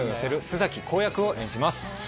須崎功役を演じます